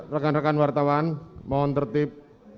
rekan rekan wartawan mohon tertib